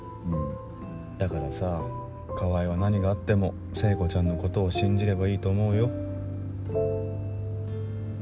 だからさ川合は何があっても聖子ちゃんのことを信じればいいと思うよ。